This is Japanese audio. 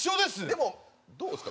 でもどうですか？